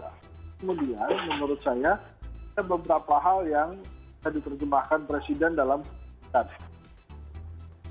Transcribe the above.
kemudian menurut saya ada beberapa hal yang sudah diperjemahkan presiden dalam kabinet